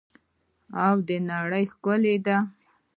او د نړۍ ښکلا دي.